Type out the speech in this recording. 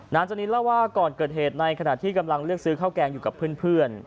จนินเล่าว่าก่อนเกิดเหตุในขณะที่กำลังเลือกซื้อข้าวแกงอยู่กับเพื่อน